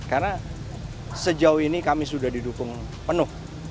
karena sejauh ini kami sudah didukung penuh